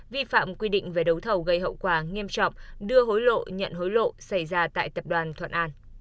vi phạm quy định về đấu thầu gây hậu quả nghiêm trọng đưa hối lộ nhận hối lộ xảy ra tại tập đoàn thuận an